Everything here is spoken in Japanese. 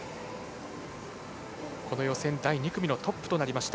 この予選第２組のトップとなりました。